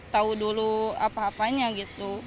tahu dulu apa apanya gitu